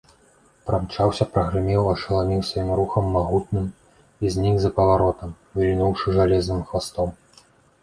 Прамчаўся, прагрымеў, ашаламіў сваім рухам магутным і знік за паваротам, вільнуўшы жалезным хвастом.